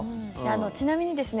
ちなみにですね